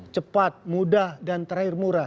cepat mudah dan terakhir murah